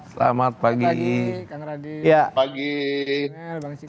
selamat pagi kang radit